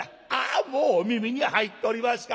「あもうお耳に入っておりますか。